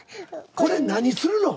これ何するの？